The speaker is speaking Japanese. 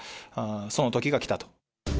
そのときが来たと。